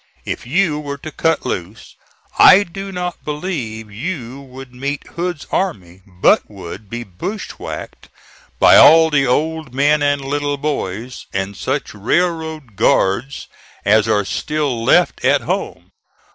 If you were to cut loose, I do not believe you would meet Hood's army, but would be bushwhacked by all the old men and little boys, and such railroad guards as are still left at home.